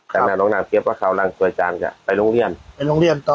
ครับนั่นน้องนามเชียบว่าเขาหลังสวยจานจ้ะไปโรงเรียนไปโรงเรียนต่อ